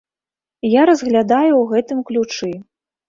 Я разглядаю ў гэтым ключы.